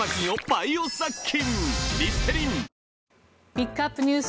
ピックアップＮＥＷＳ